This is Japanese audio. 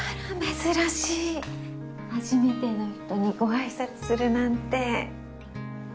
珍しい初めての人にご挨拶するなんて。